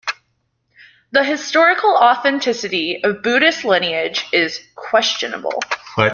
The historical authenticity of Buddhist lineage is questionable.